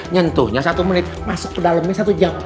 nyentuhnya satu menit masuk ke dalamnya satu jam